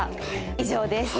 以上です。